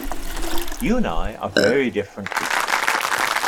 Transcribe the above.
You and I are very different creatures.